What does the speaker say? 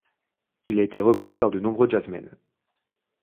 Il a été repris par de nombreux jazzmen.